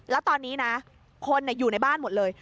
แล้วตอนนี้นะคนอยู่ในบ้านหมดเลย